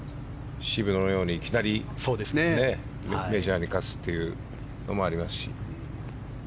渋野のようにいきなりメジャーに勝つというのもありますし。